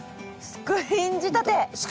スクリーン仕立て。